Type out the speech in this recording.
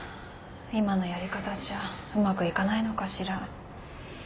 今のやり方じゃうまくいかないのかしら。